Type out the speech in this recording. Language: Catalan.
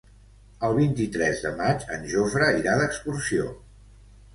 El vint-i-tres de maig en Jofre irà d'excursió.